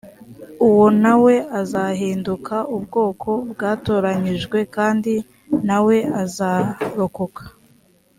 uwo na we azahinduka ubwoko bwatoranyijwe kandi na we azarokoka